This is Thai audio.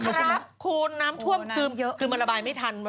ครับคุณน้ำท่วมคือเยอะคือมันระบายไม่ทัน